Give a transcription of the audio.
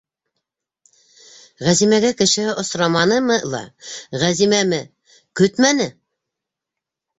Ғәзимәгә кешеһе осраманымы ла, Ғәзимәме көтмәне?